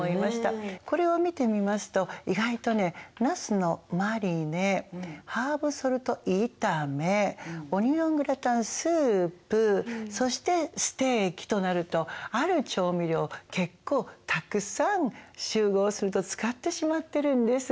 これを見てみますと意外とねなすのマリネハーブソルトいためオニオングラタンスープそしてステーキとなるとある調味料結構たくさん集合すると使ってしまってるんです。